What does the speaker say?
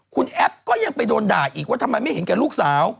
คุณแอปก็ยังไปโดนด่าอีกว่าทำไมไม่เห็นแก่ลูกสาว